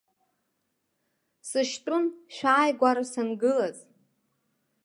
Сышьтәын шәааигәара сангылаз!